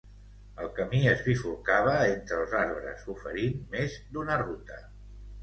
El camí es bifurcava entre els arbres, oferint més d'una ruta.